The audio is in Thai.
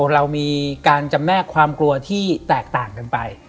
เรามีการจำแนกความกลัวที่แตกต่างกันไป